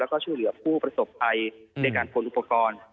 แล้วก็ช่วยเหลือผู้ประสบภัยด้วยการขนอุปกรณ์